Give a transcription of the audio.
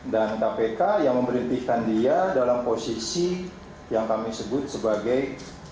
dan kpk yang memerintihkan dia dalam posisi yang kami sebut sebagai